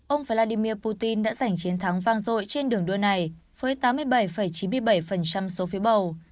ông vladimir putin đã giành chiến thắng vang dội trên đường đua này với tám mươi bảy chín mươi bảy số phiếu bầu